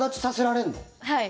はい。